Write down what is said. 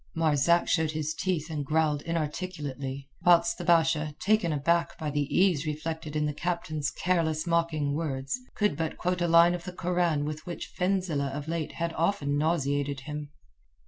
Marzak showed his teeth and growled inarticulately, whilst the Basha, taken aback by the ease reflected in the captain's careless, mocking words, could but quote a line of the Koran with which Fenzileh of late had often nauseated him.